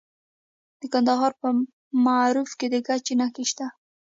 د کندهار په معروف کې د ګچ نښې شته.